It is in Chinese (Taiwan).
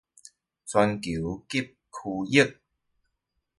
全球及區域